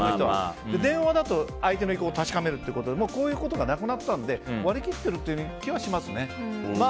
電話だと相手の意向を確かめられますがこういうことはなくなったので割り切っているという気はしますね。